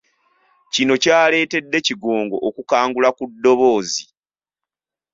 Kino kyaletedde Kigongo okukangula ku ddoboozi.